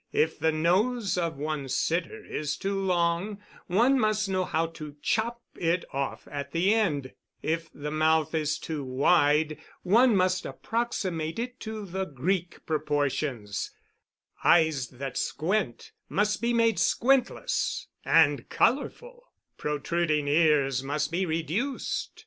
If the nose of one's sitter is too long, one must know how to chop it off at the end; if the mouth is too wide, one must approximate it to the Greek proportions; eyes that squint must be made squintless and colorful; protruding ears must be reduced.